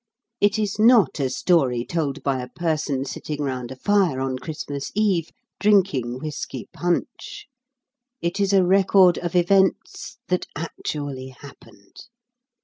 It is not a story told by a person sitting round a fire on Christmas Eve, drinking whisky punch: it is a record of events that actually happened.